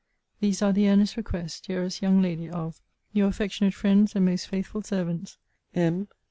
These are the earnest requests, dearest young lady, of Your affectionate friends, and most faithful servants, M.